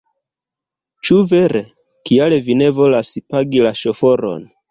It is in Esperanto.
Ĉu vere? Kial vi ne volas pagi la ŝoforon?